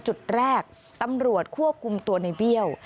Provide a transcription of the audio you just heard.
จุดแรกตำรวจควบคุมตัวในเบี้ยว